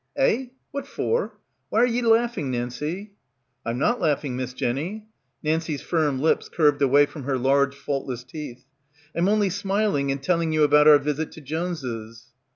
"Eh? what for? Why are ye laughing, Nancie?" "I'm not laughing, Miss Jenny." Nancie's firm lips curved away from her large faultless teeth. "I'm only smiling and telling you about our visit to Jones's."